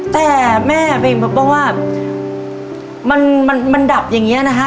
แต่แม่เป็นยังไงบ้างว่ามันดับอย่างเงี้ยนะฮะ